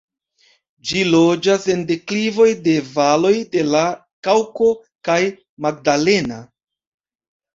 Ĝi loĝas en deklivoj de valoj de la Kaŭko kaj Magdalena.